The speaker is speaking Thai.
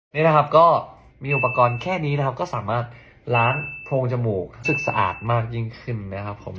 นี่นะครับก็มีอุปกรณ์แค่นี้นะครับก็สามารถล้างโพรงจมูกซึ่งสะอาดมากยิ่งขึ้นนะครับผม